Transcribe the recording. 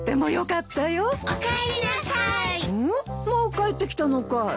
もう帰ってきたのかい？